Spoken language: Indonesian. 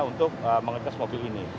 untuk mengecas mobil ini